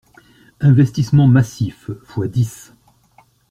Investissements massifs, fois dix.